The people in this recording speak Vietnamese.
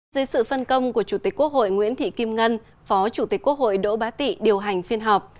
dưới sự phân công của chủ tịch quốc hội nguyễn thị kim ngân phó chủ tịch quốc hội đỗ bá tị điều hành phiên họp